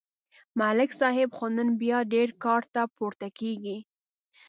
ملک صاحب خو نن بیا ډېر کار ته پورته کېږي